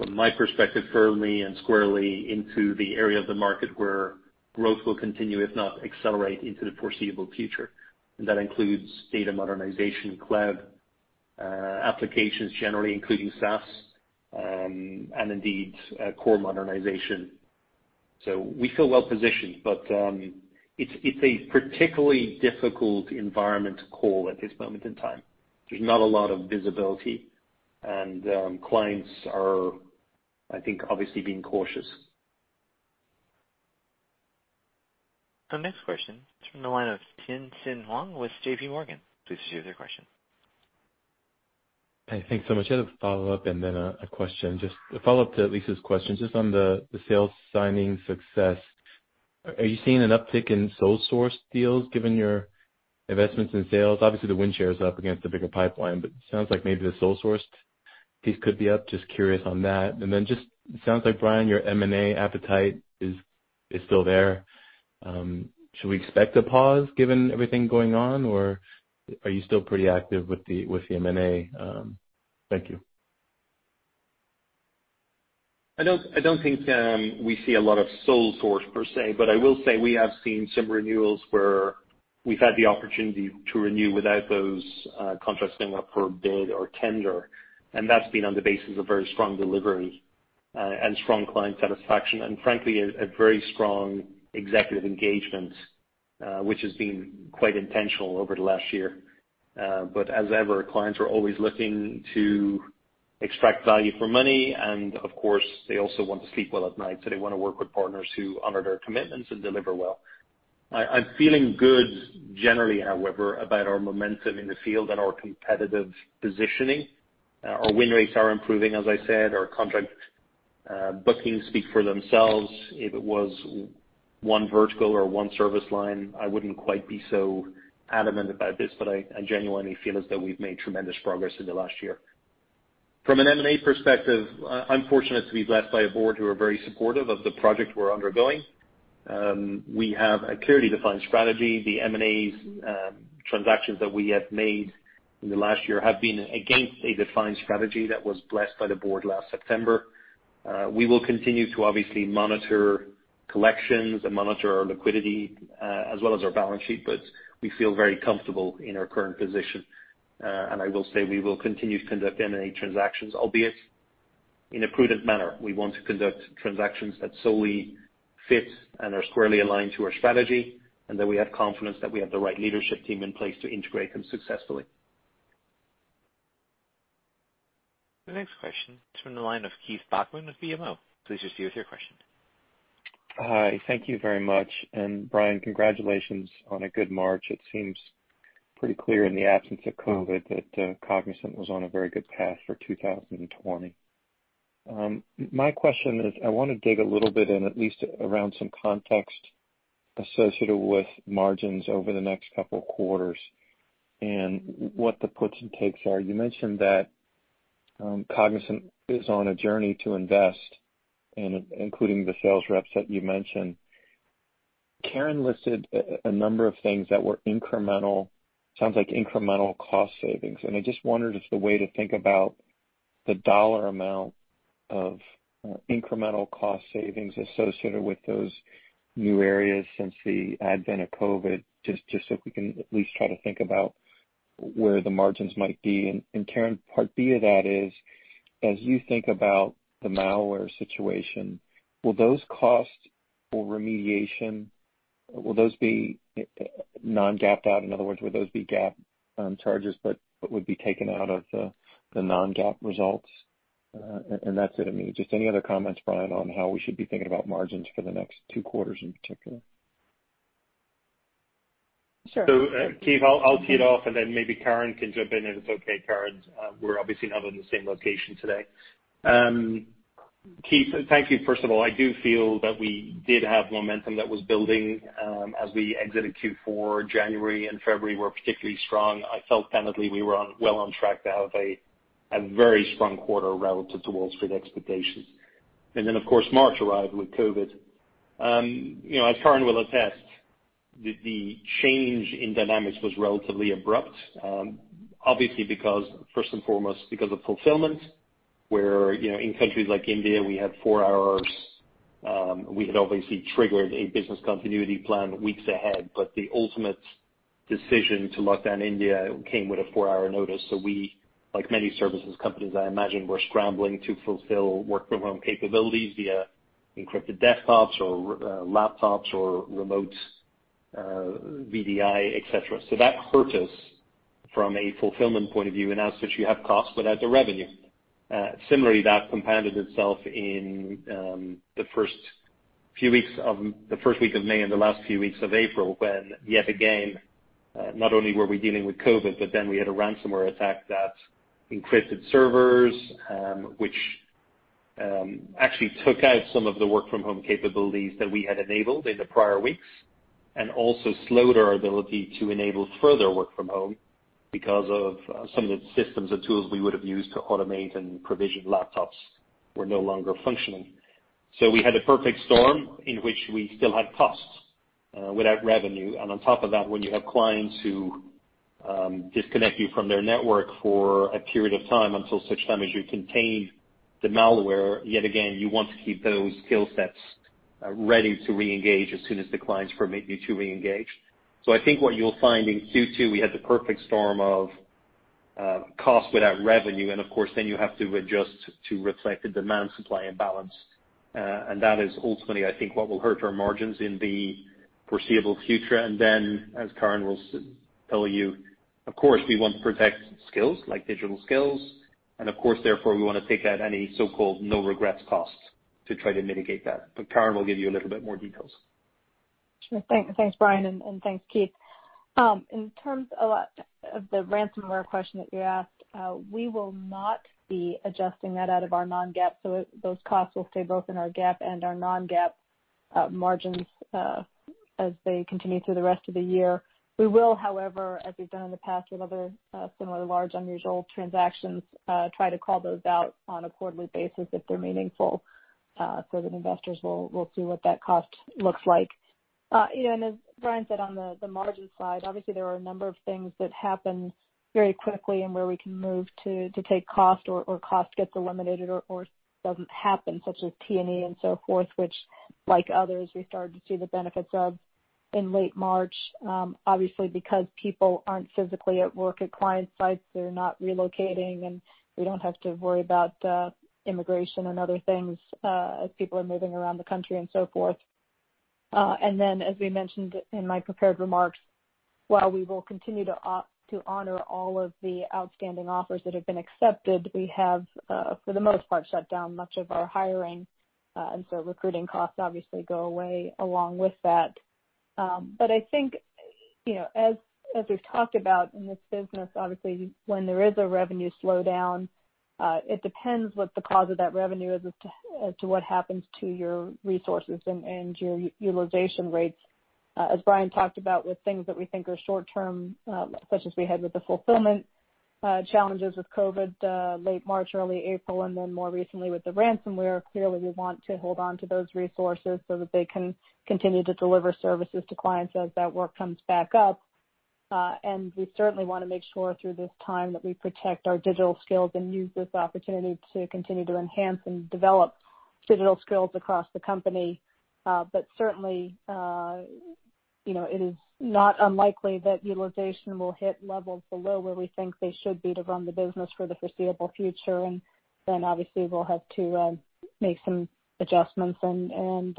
from my perspective, firmly and squarely into the area of the market where growth will continue, if not accelerate, into the foreseeable future. That includes data modernization, cloud, applications, generally including SaaS, and indeed, core modernization. We feel well-positioned. It's a particularly difficult environment to call at this moment in time. There's not a lot of visibility, and clients are, I think, obviously being cautious. Our next question is from the line of Tien-tsin Huang with JPMorgan. Please proceed with your question. Hey, thanks so much. I had a follow-up and then a question. Just a follow-up to Lisa's question, just on the sales signing success. Are you seeing an uptick in sole-source deals given your investments in sales? Obviously, the win share is up against the bigger pipeline, but it sounds like maybe the sole-sourced piece could be up. Just curious on that. Just sounds like, Brian, your M&A appetite is still there. Should we expect a pause given everything going on, or are you still pretty active with the M&A? Thank you. I don't think we see a lot of sole source per se, but I will say we have seen some renewals where we've had the opportunity to renew without those contracts going up for bid or tender. That's been on the basis of very strong delivery, and strong client satisfaction, and frankly, a very strong executive engagement, which has been quite intentional over the last year. As ever, clients are always looking to extract value for money, and of course, they also want to sleep well at night, so they want to work with partners who honor their commitments and deliver well. I'm feeling good generally, however, about our momentum in the field and our competitive positioning. Our win rates are improving, as I said. Our contract bookings speak for themselves. If it was one vertical or one service line, I wouldn't quite be so adamant about this, but I genuinely feel as though we've made tremendous progress in the last year. From an M&A perspective, I'm fortunate to be blessed by a board who are very supportive of the project we're undergoing. We have a clearly defined strategy. The M&A transactions that we have made in the last year have been against a defined strategy that was blessed by the board last September. We will continue to obviously monitor collections and monitor our liquidity, as well as our balance sheet, but we feel very comfortable in our current position. I will say we will continue to conduct M&A transactions, albeit in a prudent manner. We want to conduct transactions that solely fit and are squarely aligned to our strategy, and that we have confidence that we have the right leadership team in place to integrate them successfully. The next question is from the line of Keith Bachman with BMO. Please proceed with your question. Hi. Thank you very much. Brian, congratulations on a good March. It seems pretty clear in the absence of COVID that Cognizant was on a very good path for 2020. My question is, I want to dig a little bit in at least around some context associated with margins over the next couple of quarters and what the puts and takes are. You mentioned that Cognizant is on a journey to invest, including the sales reps that you mentioned. Karen listed a number of things that were incremental, sounds like incremental cost savings. I just wondered if the way to think about the dollar amount of incremental cost savings associated with those new areas, since the advent of COVID, just so we can at least try to think about where the margins might be. Karen, part B of that is, as you think about the malware situation, will those costs for remediation, will those be non-GAAP out? In other words, will those be GAAP charges, but would be taken out of the non-GAAP results? That's it. I mean, just any other comments, Brian, on how we should be thinking about margins for the next two quarters in particular? Keith, I'll tee it off, and then maybe Karen can jump in if it's okay. Karen, we're obviously not in the same location today. Keith, thank you, first of all. I do feel that we did have momentum that was building as we exited Q4. January and February were particularly strong. I felt tentatively we were well on track to have a very strong quarter relative to Wall Street expectations. Of course, March arrived with COVID. As Karen will attest, the change in dynamics was relatively abrupt. Obviously, because first and foremost, because of fulfillment, where in countries like India, we had obviously triggered a business continuity plan weeks ahead, but the ultimate decision to lock down India came with a four-hour notice. We, like many services companies, I imagine, were scrambling to fulfill work-from-home capabilities via encrypted desktops or laptops or remote VDI, et cetera. That hurt us from a fulfillment point of view, inasmuch you have cost without the revenue. Similarly, that compounded itself in the first week of May and the last few weeks of April, when yet again, not only were we dealing with COVID-19, then we had a ransomware attack that encrypted servers, which actually took out some of the work-from-home capabilities that we had enabled in the prior weeks, also slowed our ability to enable further work from home because of some of the systems and tools we would have used to automate and provision laptops were no longer functioning. We had a perfect storm in which we still had costs without revenue. On top of that, when you have clients who disconnect you from their network for a period of time until such time as you contain the malware, yet again, you want to keep those skill sets ready to re-engage as soon as the clients permit you to re-engage. I think what you'll find in Q2, we had the perfect storm of cost without revenue, and of course, then you have to adjust to reflect the demand-supply imbalance. That is ultimately, I think, what will hurt our margins in the foreseeable future. Then, as Karen will tell you, of course, we want to protect skills, like digital skills, and of course, therefore, we want to take out any so-called no-regrets costs to try to mitigate that. Karen will give you a little bit more details. Sure. Thanks, Brian, and thanks, Keith. In terms of the ransomware question that you asked, we will not be adjusting that out of our non-GAAP, so those costs will stay both in our GAAP and our non-GAAP margins as they continue through the rest of the year. We will, however, as we've done in the past with other similar large, unusual transactions, try to call those out on a quarterly basis if they're meaningful, so that investors will see what that cost looks like. As Brian said on the margin side, obviously, there are a number of things that happen very quickly and where we can move to take cost or cost gets eliminated or doesn't happen, such as T&E and so forth, which, like others, we started to see the benefits of in late March. Obviously, because people aren't physically at work at client sites, they're not relocating, and we don't have to worry about immigration and other things as people are moving around the country and so forth. As we mentioned in my prepared remarks, while we will continue to honor all of the outstanding offers that have been accepted, we have, for the most part, shut down much of our hiring; recruiting costs obviously go away along with that. I think, as we've talked about in this business, obviously, when there is a revenue slowdown, it depends what the cause of that revenue is as to what happens to your resources and your utilization rates. As Brian talked about with things that we think are short-term, such as we had with the fulfillment challenges with COVID, late March, early April, and then more recently with the ransomware, clearly, we want to hold on to those resources so that they can continue to deliver services to clients as that work comes back up. We certainly want to make sure through this time, that we protect our digital skills and use this opportunity to continue to enhance and develop digital skills across the company. Certainly, it is not unlikely that utilization will hit levels below where we think they should be to run the business for the foreseeable future, and then obviously, we'll have to make some adjustments and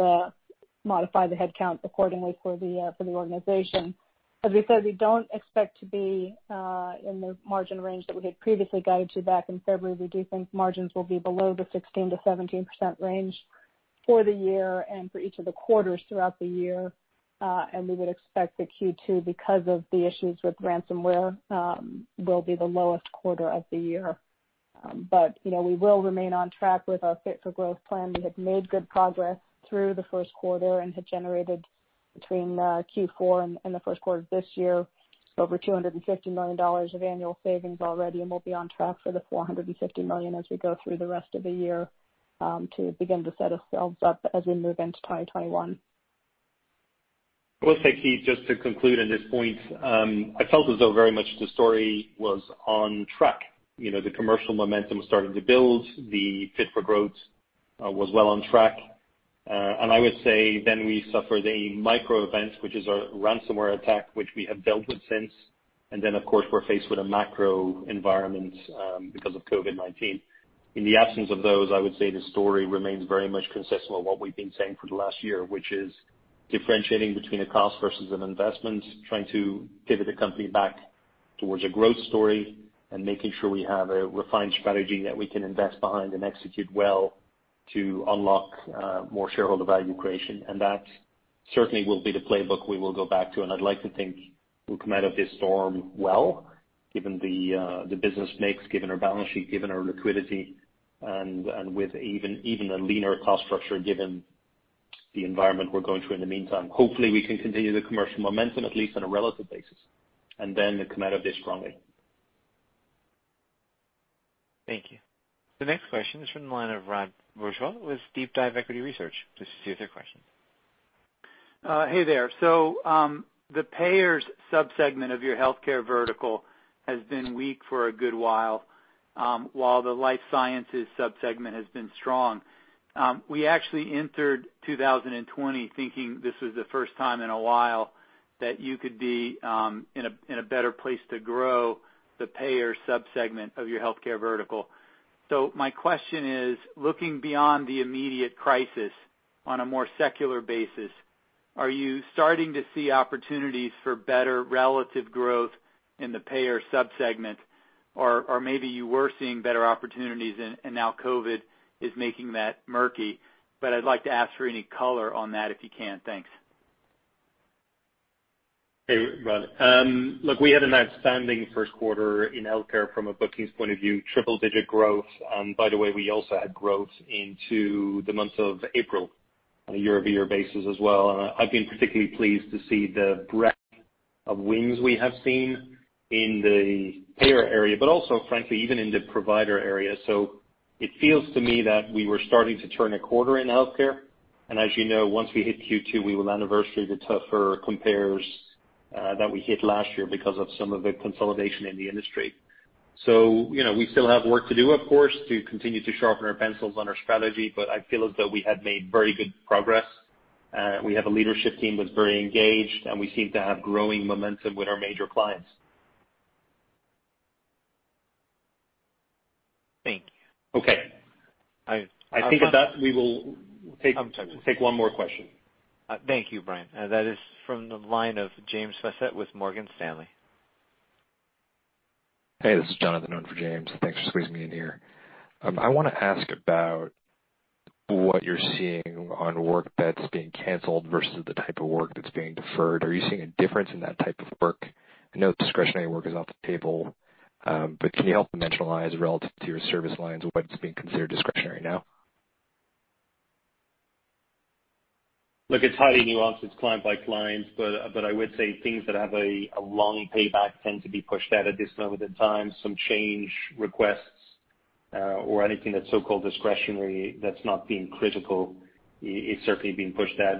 modify the headcount accordingly for the organization. As we said, we don't expect to be in the margin range that we had previously guided to back in February. We do think margins will be below the 16%-17% range for the year and for each of the quarters throughout the year. We would expect that Q2, because of the issues with ransomware, will be the lowest quarter of the year. We will remain on track with our Fit for Growth Plan. We had made good progress through the first quarter and had generated between Q4 and the first quarter of this year over $250 million of annual savings already, and we'll be on track for the $450 million as we go through the rest of the year to begin to set ourselves up as we move into 2021. I will say, Keith, just to conclude on this point. I felt as though very much the story was on track. The commercial momentum started to build. The Fit for Growth was well on track. I would say then we suffered a micro event, which is our ransomware attack, which we have dealt with since. Then, of course, we're faced with a macro environment because of COVID-19. In the absence of those, I would say the story remains very much consistent with what we've been saying for the last year, which is differentiating between a cost versus an investment, trying to pivot the company back towards a growth story, and making sure we have a refined strategy that we can invest behind and execute well to unlock more shareholder value creation. That certainly will be the playbook we will go back to, and I'd like to think we'll come out of this storm well, given the business mix, given our balance sheet, given our liquidity, and with even a leaner cost structure, given the environment we're going through in the meantime. Hopefully, we can continue the commercial momentum, at least on a relative basis, and then come out of this strongly. Thank you. The next question is from the line of Rod Bourgeois with DeepDive Equity Research. Please proceed with your question. Hey there. The payers sub-segment of your healthcare vertical has been weak for a good while, the life sciences sub-segment has been strong. We actually entered 2020 thinking this was the first time in a while that you could be in a better place to grow the payer sub-segment of your healthcare vertical. My question is, looking beyond the immediate crisis on a more secular basis, are you starting to see opportunities for better relative growth in the payer sub-segments? Maybe you were seeing better opportunities and now COVID is making that murky. I'd like to ask for any color on that if you can. Thanks. Hey, Rod. We had an outstanding first quarter in healthcare from a bookings point of view, triple-digit growth. We also had growth into the month of April on a year-over-year basis as well. I've been particularly pleased to see the breadth of wins we have seen in the payer area, but also frankly, even in the provider area. It feels to me that we were starting to turn a quarter in healthcare, and as you know, once we hit Q2, we will anniversary the tougher compares that we hit last year because of some of the consolidation in the industry. We still have work to do, of course, to continue to sharpen our pencils on our strategy, but I feel as though we had made very good progress. We have a leadership team that's very engaged, and we seem to have growing momentum with our major clients. Thank you. Okay. I think with that, we will take one more question. Thank you, Brian. That is from the line of James Faucette with Morgan Stanley. Hey, this is Jonathan in for James. Thanks for squeezing me in here. I want to ask about what you're seeing on work that's being canceled versus the type of work that's being deferred. Are you seeing a difference in that type of work? I know discretionary work is off the table, can you help dimensionalize relative to your service lines what's being considered discretionary now? Look, it's highly nuanced. It's client by client. I would say things that have a long payback tend to be pushed out at this moment in time. Some change requests, or anything that's so-called discretionary that's not being critical, is certainly being pushed out.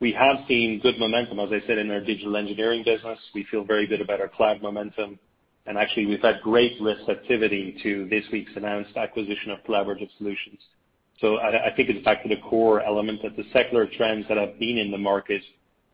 We have seen good momentum, as I said, in our digital engineering business. We feel very good about our cloud momentum. Actually, we've had great risk activity to this week's announced acquisition of Collaborative Solutions. I think it's back to the core element that the secular trends that have been in the market,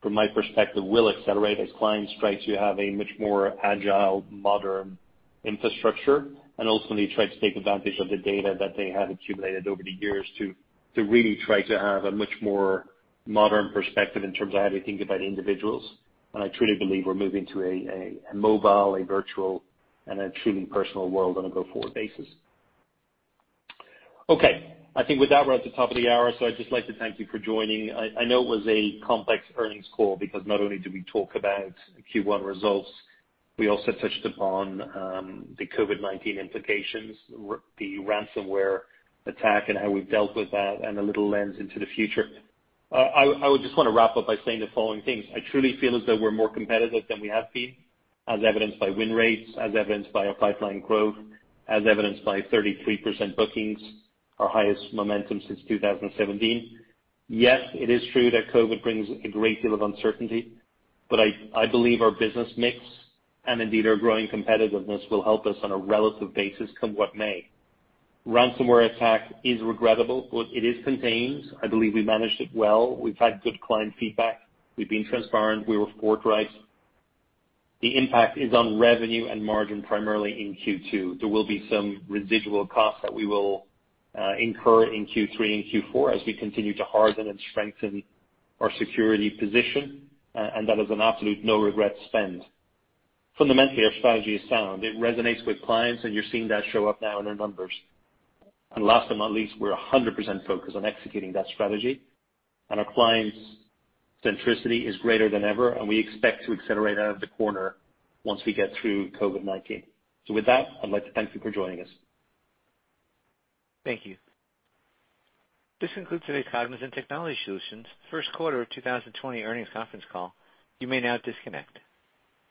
from my perspective, will accelerate as clients try to have a much more agile, modern infrastructure and ultimately try to take advantage of the data that they have accumulated over the years to really try to have a much more modern perspective in terms of how they think about individuals. I truly believe we're moving to a mobile, a virtual, and a truly personal world on a go-forward basis. Okay. I think with that, we're at the top of the hour, so I'd just like to thank you for joining. I know it was a complex earnings call because not only did we talk about Q1 results, we also touched upon the COVID-19 implications, the ransomware attack and how we've dealt with that, and a little lens into the future. I would just want to wrap up by saying the following things. I truly feel as though we're more competitive than we have been, as evidenced by win rates, as evidenced by our pipeline growth, as evidenced by 33% bookings, our highest momentum since 2017. Yes, it is true that COVID brings a great deal of uncertainty, but I believe our business mix, and indeed our growing competitiveness, will help us on a relative basis, come what may. Ransomware attack is regrettable, but it is contained. I believe we managed it well. We've had good client feedback. We've been transparent. We report right. The impact is on revenue and margin primarily in Q2. There will be some residual costs that we will incur in Q3 and Q4 as we continue to harden and strengthen our security position, and that is an absolute no-regret spend. Fundamentally, our strategy is sound. It resonates with clients, you're seeing that show up now in our numbers. Last but not least, we're 100% focused on executing that strategy, and our client centricity is greater than ever, and we expect to accelerate out of the corner once we get through COVID-19. With that, I'd like to thank you for joining us. Thank you. This concludes today's Cognizant Technology Solutions first quarter of 2020 earnings conference call. You may now disconnect.